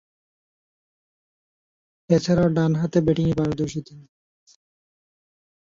এছাড়াও ডানহাতে ব্যাটিংয়ে পারদর্শী তিনি।